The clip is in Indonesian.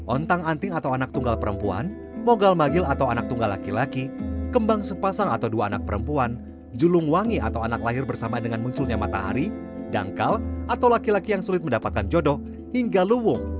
ontang anting atau anak tunggal perempuan mogal magil atau anak tunggal laki laki kembang sepasang atau dua anak perempuan julungwangi atau anak lahir bersama dengan munculnya matahari dangkal atau laki laki yang sulit mendapatkan jodoh hingga luwung